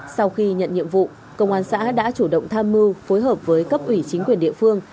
sau khi nhận nhiệm vụ công an xã đã chủ động tham mưu phối hợp với cấp ủy chính quyền địa phương